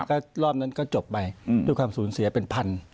ก็รอบนั้นก็จบไปด้วยความสูญเสียเป็นพัน